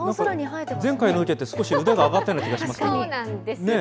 前回の受けて、少し腕が上がったような気がしますけど。